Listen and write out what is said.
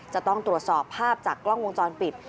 จะต้องตรวจสอบภาพจากกล้องวงจรปิด